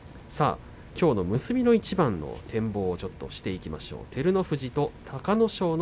きょうの結びの一番の展望をしていきましょう。